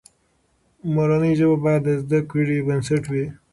مورنۍ ژبه باید د زده کړې بنسټ وي.